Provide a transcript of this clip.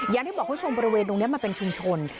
อย่างที่บอกคุณผู้ชมบริเวณตรงนี้มันเป็นชุมชน